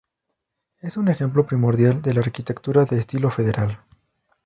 Es un ejemplo primordial de la arquitectura de estilo federal.